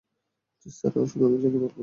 জি sir, শুধু আমি জানি মাল কোথায় আছে।